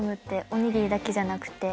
おにぎりだけじゃなくて。